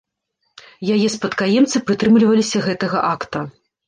Яе спадкаемцы прытрымліваліся гэтага акта.